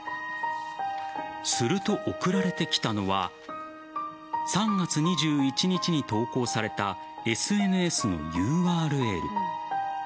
すると、送られてきたのは３月２１日に投稿されたＳＮＳのＵＲＬ。